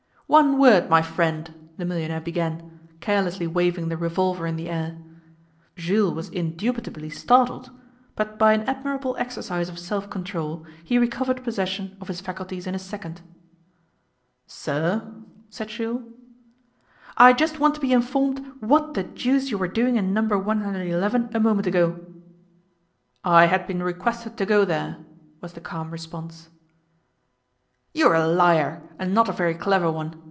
'One word, my friend,' the millionaire began, carelessly waving the revolver in the air. Jules was indubitably startled, but by an admirable exercise of self control he recovered possession of his faculties in a second. 'Sir?' said Jules. 'I just want to be informed, what the deuce you were doing in No. 111 a moment ago.' 'I had been requested to go there,' was the calm response. 'You are a liar, and not a very clever one.